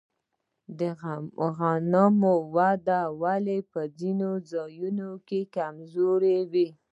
د غنمو وده ولې په ځینو ځایونو کې کمزورې وي؟